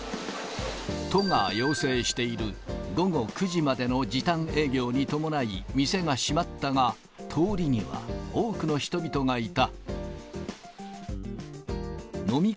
都が要請している午後９時までの時短営業に伴い、店が閉まったが、通りには多くの人々がいた。